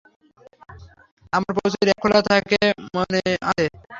আমার প্রচুর অ্যাপ খোলা থাকে, মনে আছে?